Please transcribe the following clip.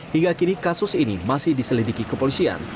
hingga kini kasus ini masih diselidiki kepolisian